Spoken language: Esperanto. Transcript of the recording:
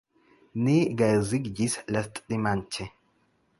Ni geedziĝis lastdimanĉe.